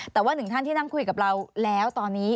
แต่ว่าหนึ่งท่านที่นั่งคุยกับเราแล้วตอนนี้